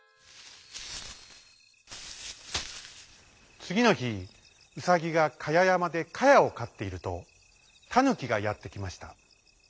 つぎのひウサギがかややまでかやをかっているとタヌキがやってきました。